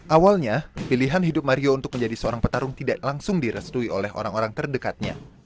awalnya pilihan hidup mario untuk menjadi seorang petarung tidak langsung direstui oleh orang orang terdekatnya